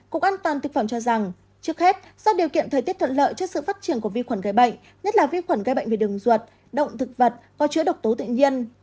cục an toàn thực phẩm cho rằng trước hết do điều kiện thời tiết thuận lợi cho sự phát triển của vi khuẩn gây bệnh nhất là vi khuẩn gây bệnh về đường ruột động thực vật có chữa độc tố tự nhiên